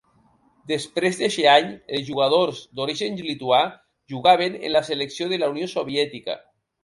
Després d'eixe any, els jugadors d'origen lituà jugaven en la Selecció de la Unió Soviètica.